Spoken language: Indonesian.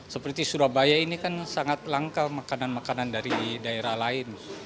seperti surabaya ini kan sangat langka makanan makanan dari daerah lain